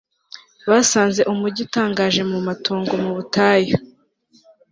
basanze umujyi utangaje mu matongo mu butayu